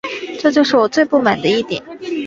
这就是我最不满的一点